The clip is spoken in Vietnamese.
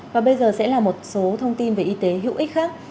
và bây giờ sẽ là một số thông tin về y tế hữu ích khác